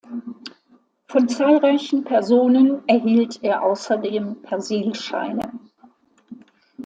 Von zahlreichen Personen erhielt er außerdem „Persilscheine“.